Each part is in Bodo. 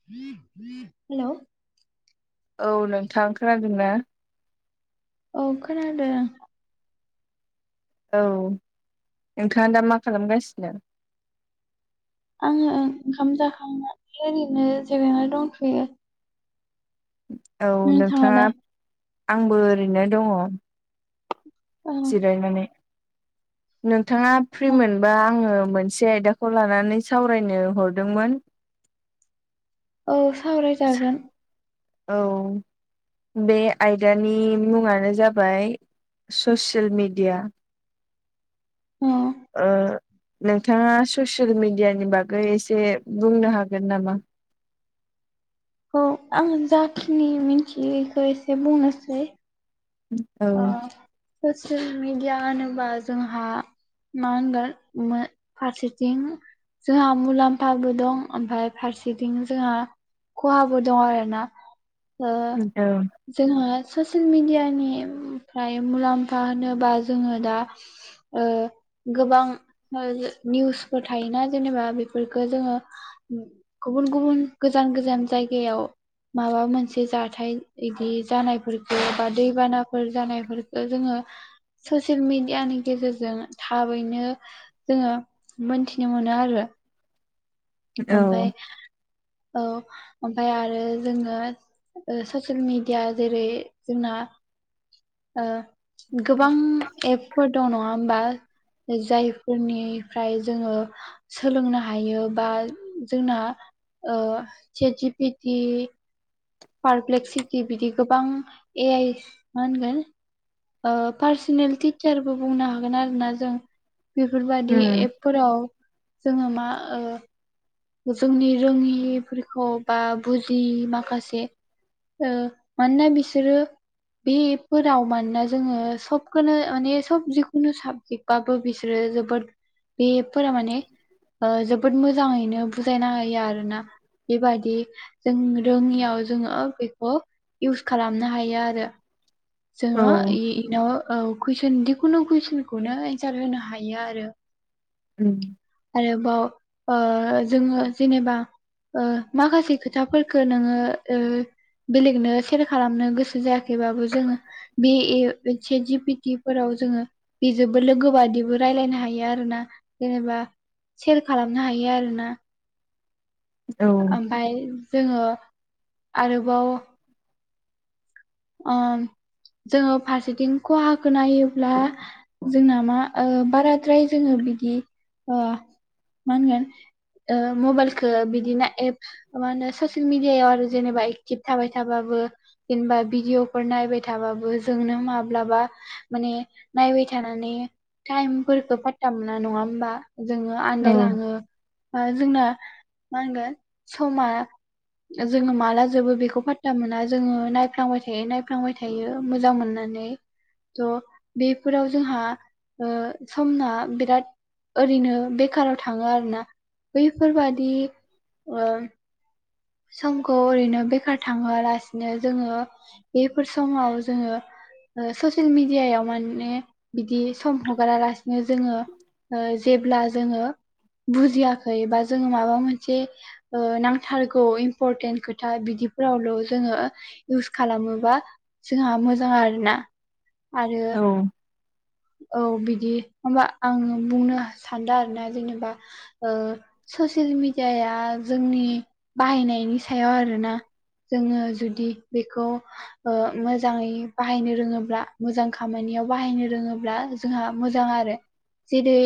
हेल' औ नोंथां खोनादों ना? औ खोनादों। औ नोंथाङा दा मा खालामगासिनो आङो ओंखाम जाखांनानै ओरैनो जिरायना दंथ'यो औ नोंथाङा नोंथाङालाय आंबो ओरैनो दङ औ जिरायनानै नोंथाङा फ्रि मोनबा आङो मोनसे आयदाखौ लानानै सावरायनो हरदोंमोन औ सावराय औ बे आयदानि मुङानो जाबाय ससियेल मेडिया उम नोंथाङा ससियेल मिेडियानि बागै एसे बुंनो हागोन नामा औ आं जाखिनि मिन्थियैखौो एसे बुंनोसै औ ओ ससियेल मिेडिया होनोबा जोंहा मांगोन फारसेथिं जोंहा मुलाम्फाबो दं ओमफफ्राय फारसेथिं जोंहा खहाबो दङ आरोना औ जोंहा ससियेल मेडियानि फ्राय मुलाम्फा होनोबा जोङो दा गोबां निउसफोर थायोना जेनेबा बेफोरफोरखौ जोङो गुबुन गुबुन गोजान गोजान जायगायाव माबा मोनसे जाथाय बिदि जानायफोरखौ बा दैबाना फोर जानायफोरखौ जोङो ससियेल मिेडियानि गेजेरजों थाबैनो जोङो मोनथिनो मोनो आरो औ ओमफाय औ ओमफाय आरो जोङो ससियेल मिेडिया जेरै जोंना गोबां एपफोर दं नङा होमबा जायफोरनिफ्राय जोङो सोलोंनो हायो बा जोंना सेटि पिटि पारप्लेक सिटि बिदि गोबां ए आइ मा होनगोन पार्सनेल टिचारबो बुंनो हागोन आरो ना जों बेफोरबादि उम एपफोराव जोङो मा जोंनि रोङिफोरखौ बा बुजिय माखासे मानोना बिसोरो बेफोराव मानोना जोङो सबखौनो माने सब जिखुनु साबजेक्ट बाबो बिसोरो जोबोद बे एप फोर माने जोबोद मोजाङैनो बुजायना होयो आरो ना बेबायदि जों रोङियाव जोङो बेखौ इउस खालामनो हायो आरो औ जोङो इनाव कुइसन जिखुनु कुइसनखौनो एन्सार होनो हायो आरो उम आरोबाव ओ जोङो जेनेबा ओ माखासे खोथाफोरखौ नोङो ओ बेलेगनो सेयार खालामनो गोसो जायाखैबाबो जोङो बे से जि पिटि फोराव जोङो बेजोंबो लोगो बादिबो रायलायनो हायो आरोोना जेनेबा सयेर खालामनो हायो आरो ना औ ओमाय जोङो आरोबाव जोङो फारसेथिं खहाखौ नायोब्ला जोंना मा बाराद्राय जोङो बिदि मा होनगोन मबाइलखौ बिदिनो एप मा होनो ससियेल मिडियाायाव आरो जेनेबा एक्टिभ थाबाय थाबाबो जेनेबा भिदिअफोर नायबाय थाबाबो जोंनो माब्लाबा माने नायबाय थानानै टाइमख पाता मोना नङा होमबा जोङो औ आन्दायलाङो जोंना मा होनगोन समा जोङो माला जोबो बेखौ पाता मोना जोङो नाय नायफ्लांबाय थायो नायफ्लांबाय थायो मोजां मोननानै थ' बेफोराव जोंहा ओ समना बिराद ओरैनो बेखाराव थाङो आरोना बैफोरबादि समखौ ओरैनो बेखार थाङोआलासिनो जोङो बेफोर समाव जोङो ओ ससियेल मिडियायाव माने बिदि सम हगारा लासिनो जोङो ओ जेब्ला जोङो बुजियाखै बा जोङो माबा मोनसे ओ नांथारग खौ इम्परटेन्ट खोथा बिदिफोरावल' जोङो इउस खालामोबा जोंहा मोजां आरोना आरो औ औ बिदि होनबा आङो बुंनो सानदों आरोना जेनेबा ओ ससियेल मिेडियाया जोंनि बाहायनायनि सायाव आरोना जोङो जुदि बेखौ ओ मोजाङै बाहायनो रोङोब्ला मोजां खामानियाव बाहायनो रोङोब्ला जोंहा मोजां आरो जेरै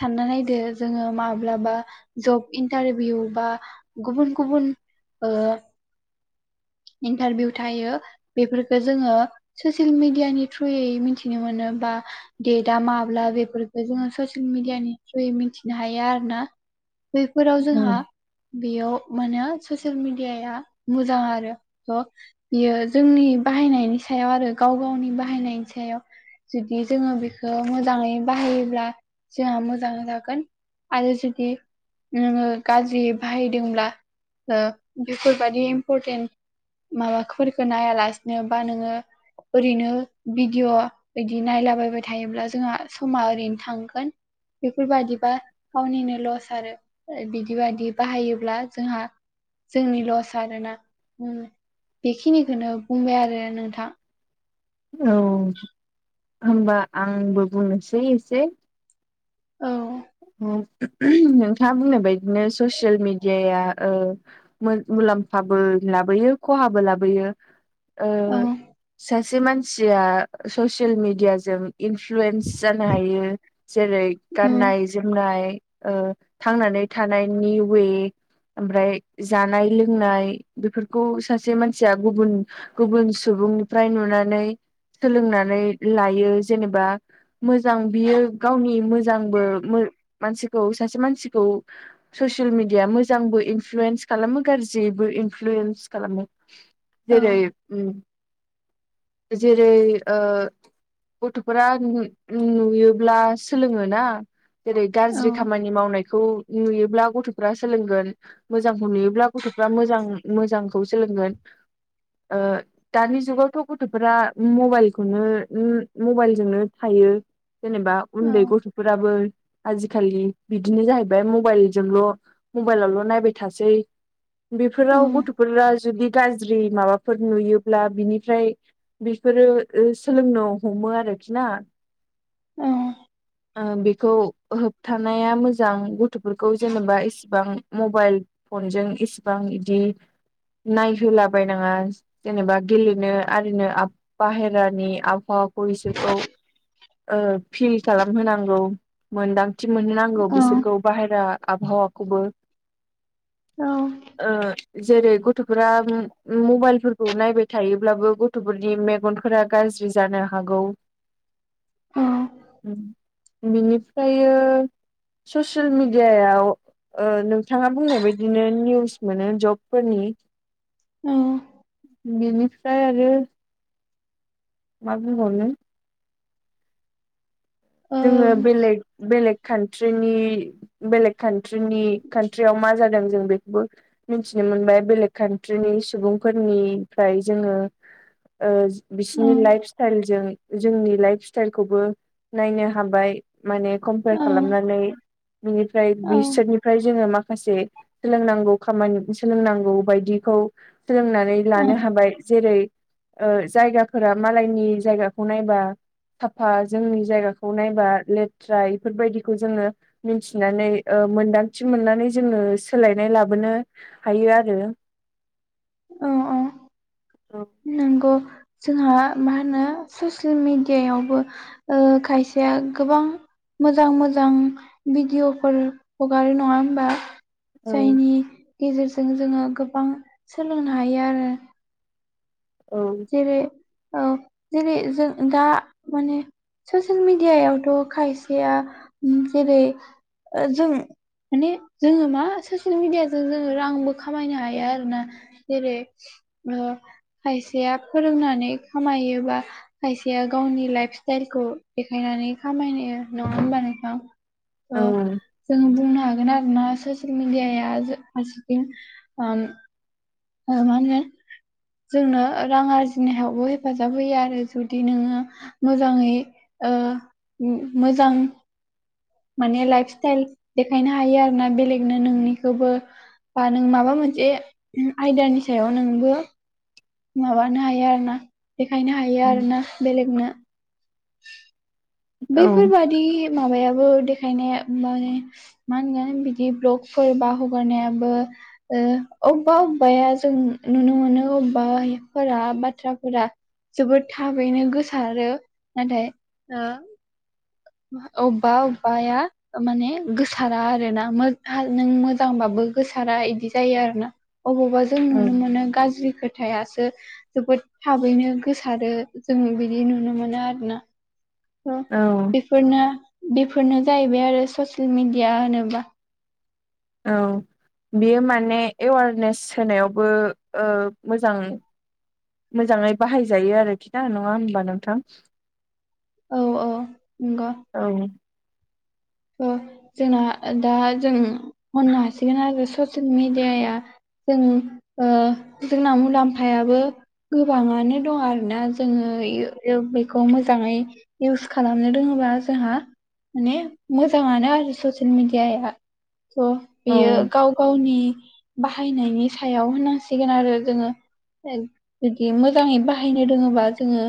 सानना नायदो जोङो माब्लाबा जब इन्टारभिउ बा गुबुन गुबुन ओ इन्टारभिउ थायो बेफोरखो जोङो ससियेल मिडियानि थ्रुयै मिथिनो मोनो बा डेटआ माब्ला बेफोरखौ जोङो ससियेल मिडियानि थ्रुयै मिथिनो हायो आरो ना बैफोराव जोंहा औ बेयाव मानो ससियेल मिडियाया मोजां आरो थ बियो जोंनि बाहायनायनि सायाव आरो गाव गावनि बाहायनायनि सायाव जुदि जोङो बेखौ मोजाङै बाहायोब्ला जोंहा मोजां जागोन आ जुदि नोङो गाज्रि बाहायदोंब्ला ओ बेफोरबादि इम्परटेन्ट माबाफोरखौो नायालासिनो बा नोङो ओरैनो भिडिय' बिदि नायलाबायबाय थायोब्ला जोंहा समा ओरैनो थांगोन बेफोरबायाददिबा गावनिनो लस आरो बिदि बादि बाहायोब्ला जोंहा जोंनि लस आरोना ओम बेखिनिखौनो बुंबाय आरो नोंथां औ होनबा आंबो बुंनोसै एसे औ नोंथाङा बुंनो बायदिनो ससियेल मिडियाया ओ मुलाम्फाबो लाबोयो खहाबो लाबोयो ओ औ सासे मानसिया ससियेल मिडियाजों इनफ्लुयेन्स जानो हायो जेरै औ गाननाय जो जोमनाय थांनानै ओ थानायनि वे ओमफ्राय जानाय लोंनाय बेफोरखौ सासे मानसिया गुबुन गुबुन सुबुंनिफ्राय नुनानै सोलोंनानै लायो जेनेबा मोजां बियो गावनि मोजांबो मो मानसिखौ सासे मानसिखौ ससियेल मिडिया मोजांबो इनफ्लुयेन्स खालामो गाज्रिबो इनफ्लुयेन्स खालामो जेरै औ जेरै ओ गथ'फोरा नु-नुयोब्ला सोलोङो ना जेरै औ गाज्रि खामानि मावनायखौ नुयोब्ला गथ' गथ'फ्रा सोलोंगोन मोजांखौ नुयोब्ला गथ'फ्रा मोजां मोजांखौ सोलोंगोन ओ दानि जुगावथ' गथ'फोरा मबाइल खौनो मबाइलजोंनो थायो जेनेबा औ उन्दै गथ'फोराबो आजिखालि बिदिनो जाहैबाय मबाइलजोंल' मबाइलावल' नायबाय थासै। औ बेफोराव गथ'फोरा जुदि गाज्रि माबाफोर नुयोब्ला बिनिफ्राय बेफोरो ओ सोलोंनो हमो आरोखि ना। अ ओ बेखौ होबथानाया मोजां गथ'फोरखौ जेनेबा इसिबां मबाइल फनजों इसेबां इदि नायहोलाबायनाङा। जेनेबा गेलेनो आरिनो आब बाहेरानि आबहावा खौ इसोरखौ ओ फिल खालामहोनांगौ मोनदां थि मोनहो नांगौ बिसोरखौ औ बाहेरा आबहावाखौबो। ओ जेरै गथ'फोरा उम मबाइलफोरखौ नायबाय थायोब्लाबो गथ'फोरनि मेगनफोरा गाज्रि जानो हागौ। औ उम बिनिफ्रायो ससियेल मिडियायाव ओ नोंथाङा बुंनाय बायदिनो निउस मोनो जबफोरनि। ओ। बिनिफ्राय आरो मा बुंबावनो औ जोङो बेलेग बेलेग कान्ट्रिनि बेलेग कान्ट्रिनि कान्ट्रियाव मा जादों जों बेखौबो मिथिनो मोनबाय बेलेक कान्ट्रिनि सुबुंफोरनिफ्राय जोङो ओ बिसिनि लाइफ स्टाइलजों जोंनि लाइफ स्टाइलखौबो नायनो हाबाय। माने कम्पेयार खालामनानै बिनिफ्राय औ बिसोरनि फ्राय जोङो माखासे सोलोंनांगौ खामानि सोलोंनांगौ बायदिखौ सोलोंनानै औ लानो हाबाय। जेरै ओ जायगाफोरा मालायनि जायगाखौ नायबा साफा जोंनि जायगाखौ नायबा लेथ्रा इफोरबायदिखौ जोङो मिथिनानै ओ मोनदांथि मोननानै जोङो सोलायनाय लाबोनो हायो आरो। ओ अ। औ नोंगौ जोंहा मा होनो ससियेल मेडियायावबो ओ खायसेया गोबां मोजां मोजां भिडिअ'फोर हगारो नङा होमबा? औ जायनि गेजेरजों जोङो गोबां सोलोंनो हायो आरो। औ। जेरै औ जेरै जों दा माने ससियेल मिडियायावथ' खायसेया उम जेरै जों माने जोङो मा ससियेल मिडियाजों जोङो रांबो खामायनो हायो आरोना। जेरै ओ खायसेया फोरोंनानै खामायोबा खायसेया गावनि लाइफ स्टाइलखौ देखायनानै खामायो, नङा होमबा नोंथां? ओ जोङो बुंनो हागोन आरोना ससियेल ससियेल मिडियाआ जो फारसेथिं ओम ओ मा होनो जोंनो रां आरजिनायावबो हेफाजाब होयो आरो। जुदि नोङो मोजाङै ओ उम मोजां माने लाइफ स्टाइल देखायनो हायो आर ना बेलेगनो नोंनिखौबो। बा नों माबा मोनसे उम आयदानि सायाव नोंबो माबानो हायो आरो ना देखायनो हायो औ आरो ना बेलेगनो। औ बैफोरबादि माबायाबो देखायनाया माने मा होनगोन बिदि ब्लगफोर बा हगारनायाबो ओ अब्बा अब्बाया जों नुनो मोनो अब्बाफोरा बाथ्राफोरा जोबोद थाबैनो गोसारो नाथाय ओं अबबा अबबाया माने गोसारा आरोना नों मोजांबाबो गोसारा इदि जायो आरोना। अबावबा जों नुनो ओं मोनो गाज्रि खो खोथायासो जोबोद थाबैनो गोसारो जों बिदि नुनो मोनो आरोना। अ औ। बेफोरनो बेफोरनो जाहैबाय आरो ससिल मेडिया होनोबा। औ। बियो माने एवारनेस होनायावबो ओ मोजां मोजाङै बाहायजायो आरोखि ना नङा होमबा नोंथां? औ औ नंग'। औ। जोंना दा जों हननो हासिगोन आरो ससियेल मेडियाया जों जोंना मुलाम्फायाबो गोबाङानो दं आरोना जोङो बेखौ मोजाङै इउस खालामनो रोङोबा जोंहा माने मोजाङानो आरो ससियेल मिडियाया। थ' औ बियो गाव गावनि बाहायनायनि सायाव होननांसिगोन आरो जोङो। जुदि मोजाङै बाहायनो रोङोबा जोङो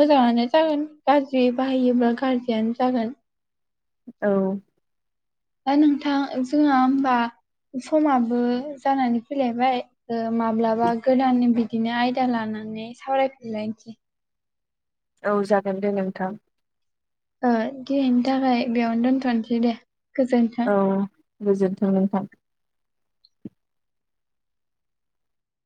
मोजाङानो जागोन गाज्रि बाहायोब्ला गाज्रियानो जागोन। औ। दा नोंथां जोंहा होमबा समाबो जानानै फैलायबाय माब्लाबा गोदान बिदिनो आयदा लानानै सावरायफैलायसै। औ जागोन दे नोंथां। दियैनि थाखाय बेयावनो दोनथ'नोसै दे। गोजोन्थों। औ गोजोनथों नोंथां।